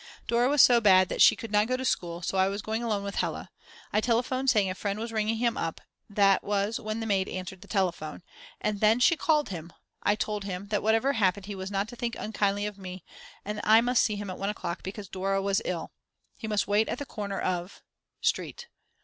Dora was so bad that she could not go to school so I was going alone with Hella. I telephoned saying a friend was ringing him up, that was when the maid answered the telephone, and then she called him. I told him: that whatever happened he was not to think unkindly of me and I must see him at 1 o'clock because Dora was ill. He must wait at the corner of Street.